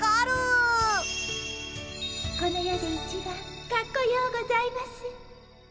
この世で一番かっこようございます。